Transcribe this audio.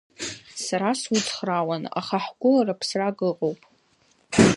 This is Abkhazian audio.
Сара суцхраауан, аха ҳгәылара ԥсрак ыҟоуп…